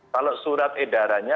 kalau surat edarannya